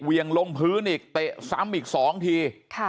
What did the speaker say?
เวียงลงพื้นอีกเตะซ้ำอีก๒ที